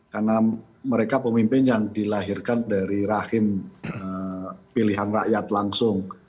karena mereka pemimpin yang dilahirkan dari rahim pilihan rakyat langsung